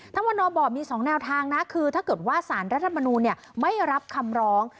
ท่านวันนอบอบมีสองแนวทางนะคือถ้าเกิดว่าศาลนั้นนู้นเนี่ยไม่รับคำร้อง